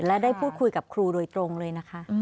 และได้พูดคุยกับครูโดยตรงเลยนะคะ